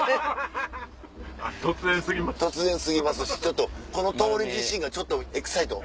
突然過ぎますしちょっとこの通り自身がちょっとエキサイト。